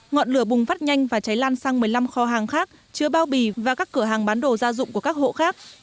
ngọn lửa bùng phát nhanh và cháy lan sang một mươi năm kho hàng khác chứa bao bì và các cửa hàng bán đồ gia dụng của các hộ khác